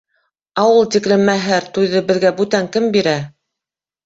Ә ул тиклем мәһәр, туйҙы беҙгә бүтән кем бирә?